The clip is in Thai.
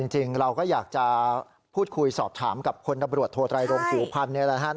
จริงเราก็อยากจะพูดคุยสอบถามกับคนตำรวจโทรไทรโรงผู้พันธุ์